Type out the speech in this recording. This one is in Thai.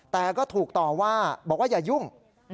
แต่ก็ถูกต่อว่าบอกว่าอย่ายุ่ง